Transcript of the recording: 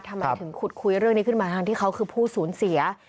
ทำไมถึงขุดคุยเรื่องนี้ขึ้นมาทั้งที่เขาคือผู้สูญเสีย